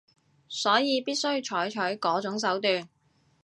所以必須採取嗰種手段